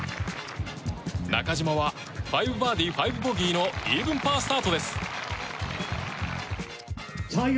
中島は５バーディー、５ボギーのイーブンパースタートです。